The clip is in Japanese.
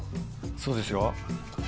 そうですよ。